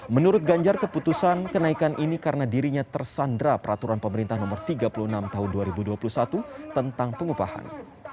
menurut ganjar keputusan kenaikan ini karena dirinya tersandra peraturan pemerintah nomor tiga puluh enam tahun dua ribu dua puluh satu tentang pengupahan